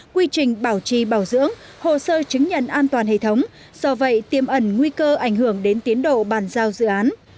quy trình bảo trì bảo dưỡng hồ sơ chứng nhận an toàn hệ thống do vậy tiêm ẩn nguy cơ ảnh hưởng đến tiến độ bàn giao dự án